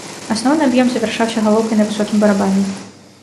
Асноўны аб'ём завяршаўся галоўкай на высокім барабане.